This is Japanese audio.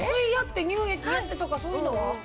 やってとかそういうのは？